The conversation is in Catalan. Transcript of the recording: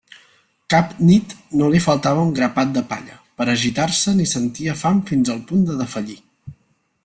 Cap nit no li faltava un grapat de palla per a gitar-se ni sentia fam fins al punt de defallir.